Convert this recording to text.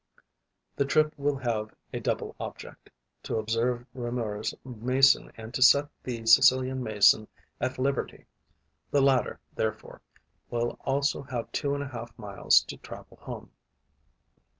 The trip will have a double object: to observe Reaumur's Mason and to set the Sicilian Mason at liberty. The latter, therefore, will also have two and a half miles to travel home.